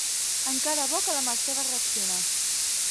Encara bo que la Mercè va reaccionar.